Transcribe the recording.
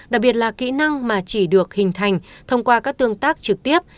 đặc biệt là kỹ năng mà chỉ được hình thành thông qua các tương tác trực tiếp